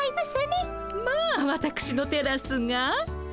まあわたくしのテラスが？